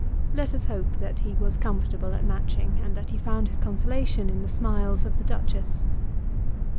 Let us hope that he was comfortable at Matching, and that he found his consolation in the smiles of the Duchess.